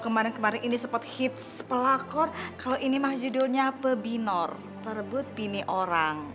kemarin kemarin ini sempat hits pelakor kalau ini mah judulnya pebinor perebut bini orang